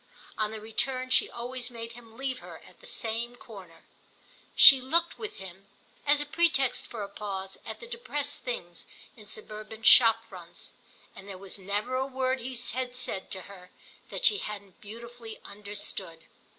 On the return she always made him leave her at the same corner. She looked with him, as a pretext for a pause, at the depressed things in suburban shop fronts; and there was never a word he had said to her that she hadn't beautifully understood.